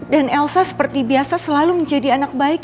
dan elsa seperti biasa selalu menjadi anak baik